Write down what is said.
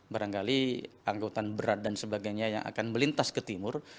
barangkali angkutan berat dan sebagainya yang akan melintas ke timur